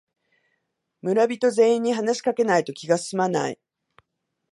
村人全員に話しかけないと気がすまない